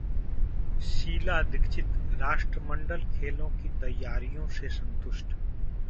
शीला दीक्षित राष्ट्रमंडल खेलों की तैयारियों से संतुष्ट